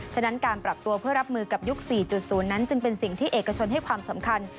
ฉะนั้นการปรับตัวเพื่อรับมือกับยุค๔๐นั้นจึงเป็นสิ่งที่เอกชนให้ความสำคัญ